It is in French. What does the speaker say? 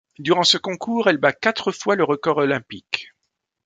Durant ce concours, elle bat quatre fois le record olympique.